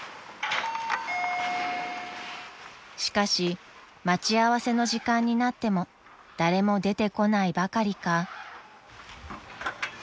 ［しかし待ち合わせの時間になっても誰も出てこないばかりか］